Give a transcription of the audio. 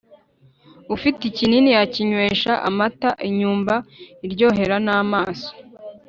Ufite ikinini yakinywesha amataInyumba iryohera n'amaso